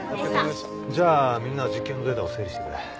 じゃあみんなは実験のデータを整理してくれ。